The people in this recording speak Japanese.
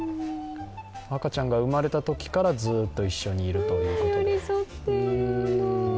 赤ちゃんが生まれたときからずっと一緒にいるということで。